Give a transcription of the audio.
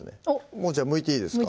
もうじゃあむいていいですか？